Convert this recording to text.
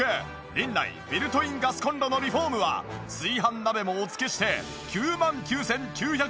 リンナイビルトインガスコンロのリフォームは炊飯鍋もお付けして９万９９００円！